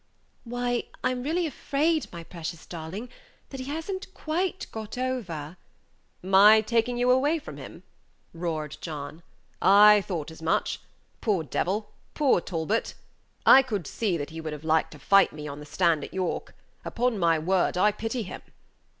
"Why, I'm really afraid, my precious darling, that he has n't quite got over " "My taking you away from him!" roared John. "I thought as much. Poor devil poor Talbot! I could see that he would have liked to fight me on the stand at York. Upon my word, I pity him!"